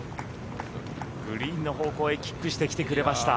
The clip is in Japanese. グリーンの方向へキックしてきてくれました。